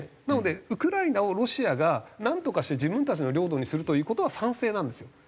なのでウクライナをロシアがなんとかして自分たちの領土にするという事は賛成なんですよ。